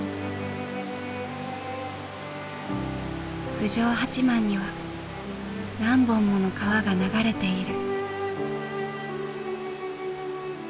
郡上八幡には何本もの川が流れている。